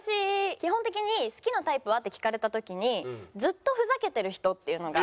基本的に「好きなタイプは？」って聞かれた時にずっとふざけてる人っていうのが。